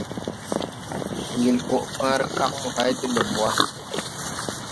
Ŋgel ɓɔʼ pããre kag mo hay de lɔm wà.